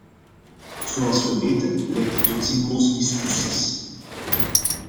Zoals we weten leidt dit tot zinloze discussies.